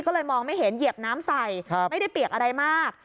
ก็เลยมองไม่เห็นเหยียบน้ำใส่ไม่ได้เปียกอะไรมาก